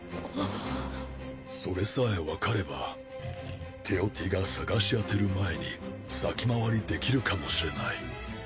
それさえわかればテオティが探し当てる前に先回りできるかもしれない。